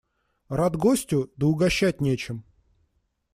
Рад гостю, да угощать нечем.